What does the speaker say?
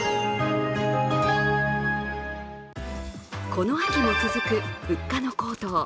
この秋も続く物価の高騰。